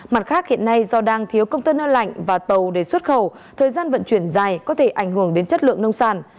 mặt khác hiện nay do đang thiếu container lạnh và tàu để xuất khẩu thời gian vận chuyển dài có thể ảnh hưởng đến chất lượng nông sản